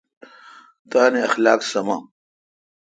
تان اخلاق سامہ۔